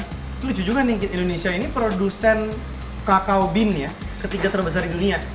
lucu juga kan indonesia ini produsen kakao beannya ketiga terbesar di dunia